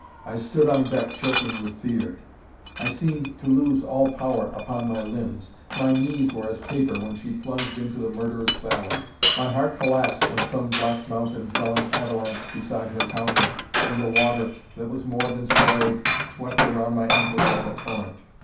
I stood on deck, choking with fear; I seemed to lose all power upon my limbs; my knees were as paper when she plunged into the murderous valleys; my heart collapsed when some black mountain fell in avalanche beside her counter, and the water, that was more than spray, swept round my ankles like a torrent.